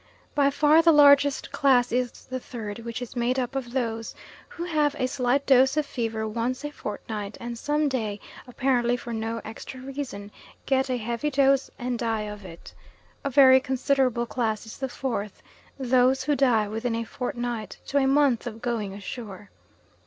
By far the largest class is the third, which is made up of those who have a slight dose of fever once a fortnight, and some day, apparently for no extra reason, get a heavy dose and die of it. A very considerable class is the fourth those who die within a fortnight to a month of going ashore.